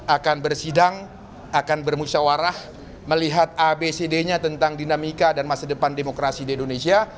akan bersidang akan bermusyawarah melihat abcd nya tentang dinamika dan masa depan demokrasi di indonesia